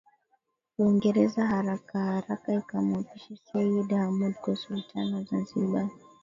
Uingereza harakaharaka ikamuapisha Seyyid Hamoud kuwa Sultan wa Zanzibar